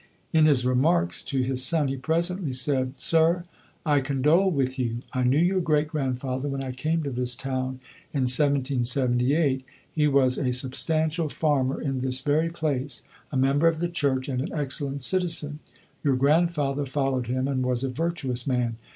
In his remarks to this son, he presently said, "Sir, I condole with you. I knew your great grandfather; when I came to this town, in 1778, he was a substantial farmer in this very place, a member of the church, and an excellent citizen. Your grandfather followed him, and was a virtuous man.